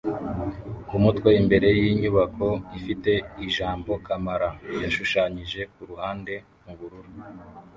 kumutwe imbere yinyubako ifite ijambo "CAMARA" yashushanyije kuruhande mubururu